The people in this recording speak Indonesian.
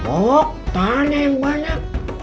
oh tanya yang banyak